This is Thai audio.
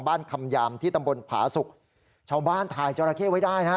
บ้านคำยามที่ตำบลผาศุกร์ชาวบ้านถ่ายจราเข้เว้ยได้นะ